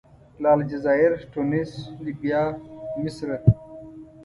له الجزایر، تونس، لیبیا، مصره.